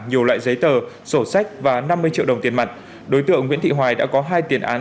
nhiều loại giấy tờ sổ sách và năm mươi triệu đồng tiền mặt đối tượng nguyễn thị hoài đã có hai tiền án